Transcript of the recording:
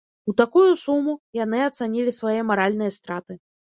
У такую суму яны ацанілі свае маральныя страты.